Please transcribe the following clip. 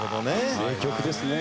名曲ですね。